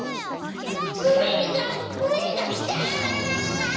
めがめがきた！